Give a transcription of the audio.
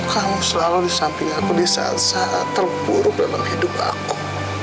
kamu selalu di samping aku di saat saat terburuk dalam hidup aku